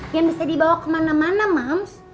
yang bisa dibawa kemana mana moms